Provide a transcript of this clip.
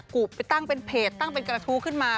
ไปตั้งเป็นเพจตั้งเป็นกระทู้ขึ้นมา